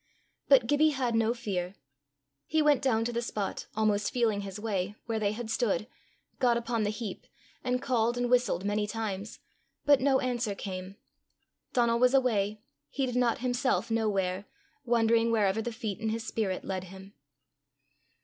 But Gibbie had no fear. He went down to the spot, almost feeling his way, where they had stood, got upon the heap, and called and whistled many times. But no answer came. Donal was away, he did not himself know where, wandering wherever the feet in his spirit led him.